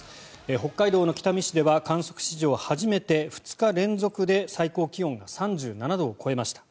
北海道の北見市では観測史上初めて２日連続で最高気温が３７度を超えました。